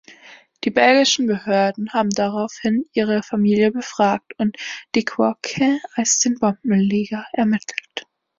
Die belgischen Behörden haben daraufhin ihre Familie befragt und Degauque als den Bombenleger ermittelt.